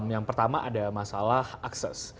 yang pertama ada masalah akses